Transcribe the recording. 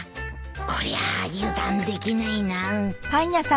こりゃ油断できないな。